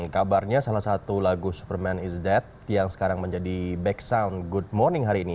kabarnya salah satu lagu superman is dead yang sekarang menjadi back sound good morning hari ini